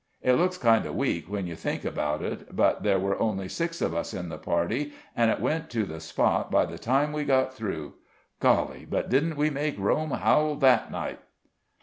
It looks kind of weak when you think about it, but there were only six of us in the party, and it went to the spot by the time we got through. Golly, but didn't we make Rome howl that night!"